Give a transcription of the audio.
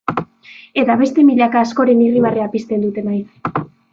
Eta beste milaka askoren irribarrea pizten dute maiz.